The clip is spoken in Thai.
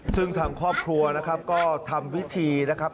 ซึ่งทางครอบครัวนะครับก็ทำพิธีนะครับ